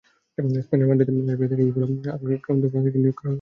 স্পেনের মাদ্রিদে লাইবেরিয়া থেকে ইবোলা সংক্রমিত আরেক পাদ্রিকে প্রয়োগ করা হয়েছে।